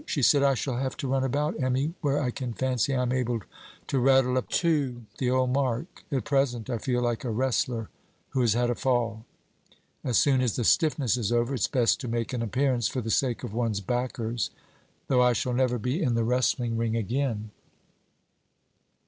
She said: 'I shall have to run about, Emmy, when I can fancy I am able to rattle up to the old mark. At present, I feel like a wrestler who has had a fall. As soon as the stiffness is over, it's best to make an appearance, for the sake of one's backers, though I shall never be in the wrestling ring again.'